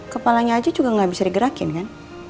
kepalanya aja juga nggak bisa digerakin kan